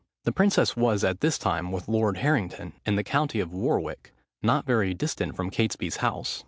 The princess was, at this time, with Lord Harrington, in the county of Warwick, not very distant from Catesby's house.